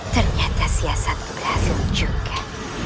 ternyata siasat berhasil juga